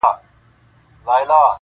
رمې څنګه دلته پايي وطن ډک دی د لېوانو-